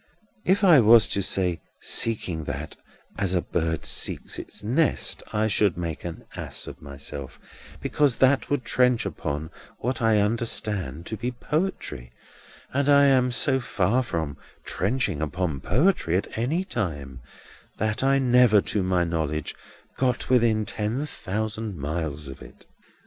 If I was to say seeking that, as a bird seeks its nest, I should make an ass of myself, because that would trench upon what I understand to be poetry; and I am so far from trenching upon poetry at any time, that I never, to my knowledge, got within ten thousand miles of it.